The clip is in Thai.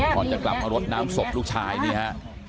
ก่อนจะกลับมารดน้ำศพลูกชายนี่ฮะ